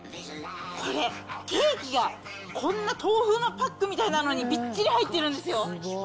これ、ケーキがこんな豆腐のパックみたいなのにびっちり入ってるんですよ。